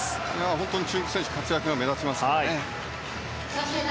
本当に中国選手の活躍が目立ちますね。